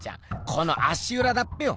この足うらだっぺよ。